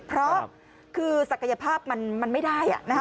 เพราะคือศักยภาพมันไม่ได้